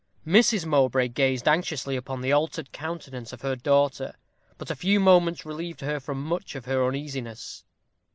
Mrs. Mowbray gazed anxiously upon the altered countenance of her daughter, but a few moments relieved her from much of her uneasiness.